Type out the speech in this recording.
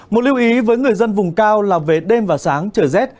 một lưu ý với người dân vùng cao là về đêm và sáng trời rét